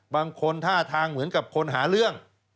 บางคนท่าทางเหมือนกับคนหาเรื่อง